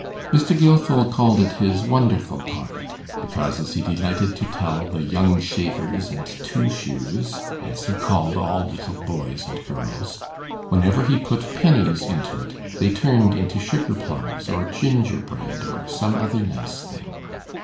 Mr. Gilfil called it his wonderful pocket, because, as he delighted to tell the 'young shavers' and 'two shoes' so he called all little boys and girls whenever he put pennies into it, they turned into sugar plums or gingerbread, or some other nice thing.